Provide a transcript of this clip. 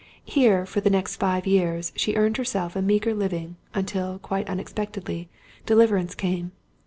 Here, for the next five years, she earned for herself a meagre living, until, quite unexpectedly, deliverance came.